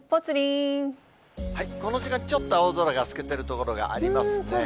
この時間、ちょっと青空が透けてる所がありますね。